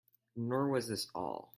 Nor was this all.